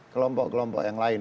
kelompok kelompok yang lain